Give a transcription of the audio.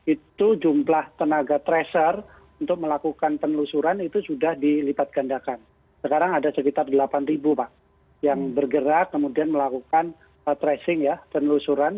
itu jumlah tenaga tracer untuk melakukan penelusuran itu sudah dilipat gandakan sekarang ada sekitar delapan ribu pak yang bergerak kemudian melakukan tracing ya penelusuran